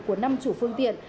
của năm chủ phương tiện